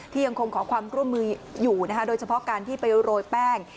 ยังคงขอความร่วมมืออยู่นะคะโดยเฉพาะการที่ไปโรยแป้ง